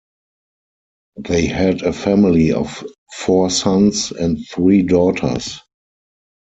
They had a family of four sons and three daughters.